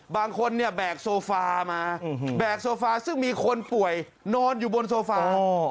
บางคนเนี่ยแบกโซฟามาแบกโซฟาซึ่งมีคนป่วยนอนอยู่บนโซฟา